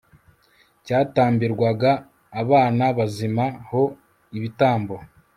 cyatambirwaga abana bazima ho ibitambo